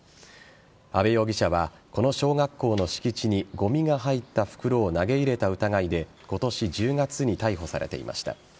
阿部容疑者はこの小学校の敷地にゴミが入った袋を投げ入れた疑いで今年１０月に逮捕されていました。